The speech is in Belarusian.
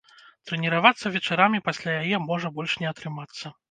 Трэніравацца вечарамі пасля яе можа больш не атрымацца.